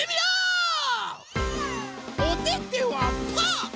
おててはパー！